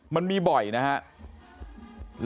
มันมีบ่อยนะครับ